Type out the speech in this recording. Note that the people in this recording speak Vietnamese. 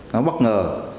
nó bất ngờ